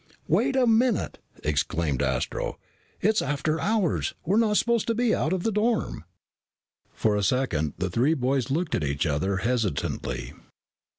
"Wait a minute!" exclaimed Astro. "It's after hours. We're not supposed to be out of the dorm." For a second the three boys looked at each other hesitantly.